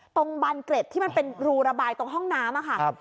บานเกร็ดที่มันเป็นรูระบายตรงห้องน้ำค่ะ